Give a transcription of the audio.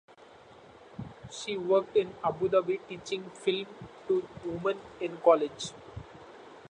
She worked in Abu Dhabi teaching film to women in college.